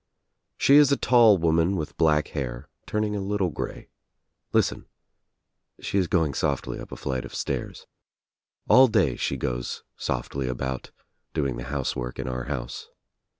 She is a tall woman with black hair, turning a little grey. Listen, she is going softly up a flight of stairs. All day she goes softly about, doing the housework in our house.